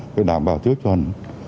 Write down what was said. phải đảm bảo tiêu chuẩn